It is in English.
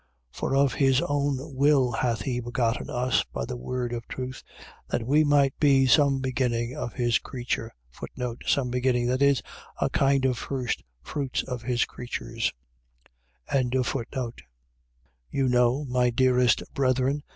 1:18. For of his own will hath he begotten us by the word of truth, that we might be some beginning of his creature. Some beginning. . .That is, a kind of first fruits of his creatures. 1:19. You know, my dearest brethren.